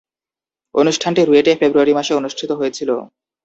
অনুষ্ঠানটি রুয়েটে ফেব্রুয়ারি মাসে অনুষ্ঠিত হয়েছিলো।